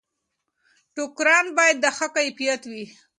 ټوکران باید د ښه کیفیت وي.